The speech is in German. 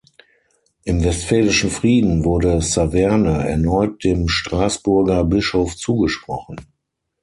Im Westfälischen Frieden wurde Saverne erneut dem Straßburger Bischof zugesprochen.